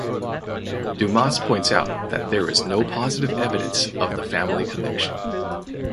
Dumas points out that there is no positive evidence of the family connection.